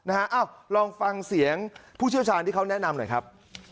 เอ้าลองฟังเสียงผู้เชี่ยวชาญที่เขาแนะนำหน่อยครับ